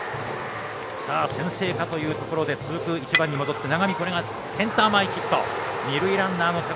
先制かというところで続く１番に戻って永見がセンター前ヒット。